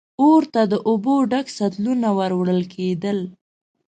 اور ته د اوبو ډک سطلونه ور وړل کېدل.